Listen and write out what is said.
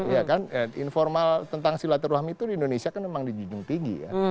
ya kan informal tentang silaturahmi itu di indonesia kan memang dijunjung tiga